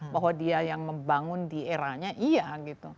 bahwa dia yang membangun di eranya iya gitu